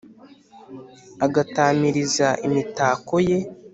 agatamiriza imitako ye!